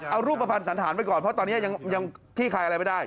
เอารูปประพันธ์สันฐานไปก่อนเพราะตอนนี้ยังยังที่คลายอะไรไปได้